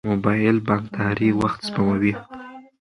موبایل بانکداري وخت سپموي.